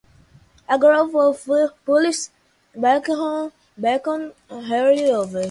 A group of police beckon Harry over.